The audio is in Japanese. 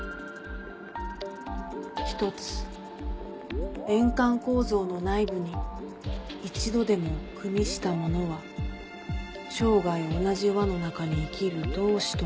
「一、円環構造の内部に一度でも与した者は生涯同じ輪の中に生きる同志と見なされる」